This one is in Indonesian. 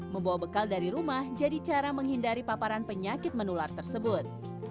membawa bekal dari rumah jadi cara menghindari paparan penyakit menular tersebut